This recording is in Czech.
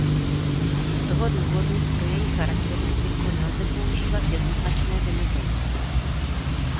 Z toho důvodu pro její charakteristiku nelze používat jednoznačné vymezení.